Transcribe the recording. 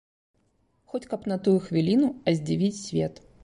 Хоць каб на тую хвіліну, а здзівіць свет.